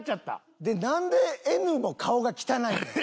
でなんでＮも顔が汚いねん。